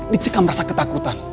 dicekam rasa ketakutan